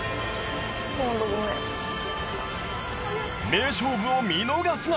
名勝負を見逃すな。